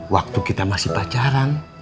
waktu kita masih pacaran